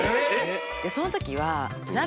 その時は。